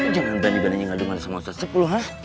jangan udah nih badannya ngadungan sama ustadz sepu lu ha